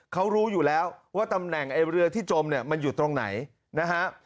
เขารู้อยู่แล้วว่าตำแหน่งไอ้เรือที่จมเนี่ยมันอยู่ตรงไหนนะฮะ